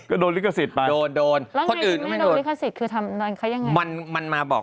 ก็โดนลิขสิทธิ์ไปโดนคนอื่นก็ไม่โดน